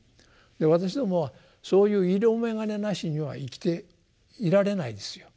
私どもはそういう色眼鏡なしには生きていられないですよ。